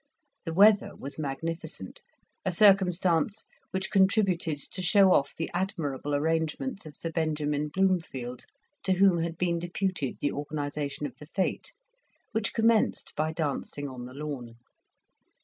The weather was magnificent, a circumstance which contributed to show off the admirable arrangements of Sir Benjamin Bloomfield, to whom had been deputed the organization of the fete, which commenced by dancing on the lawn.